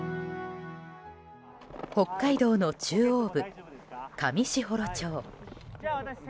北海道の中央部、上士幌町。